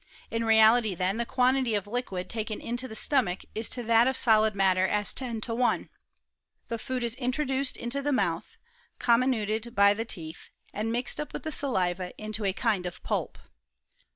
In reality , then , the quantity of liquid taken into the stomach is to that of solid matter as 10 to 1. The food is intro duced into the mouth, comminuted by the teeth , and mixed up with the saliva into a kind of pulp.